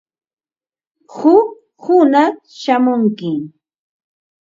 Huk hunaq shamunki.